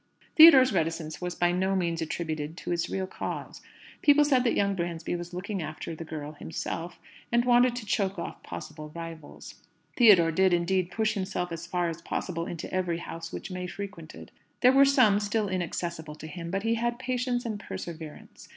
Theodore's reticence was by no means attributed to its real cause. People said that young Bransby was looking after the girl himself, and wanted to choke off possible rivals. Theodore did, indeed, push himself as far as possible into every house which May frequented. There were some still inaccessible to him; but he had patience and perseverance.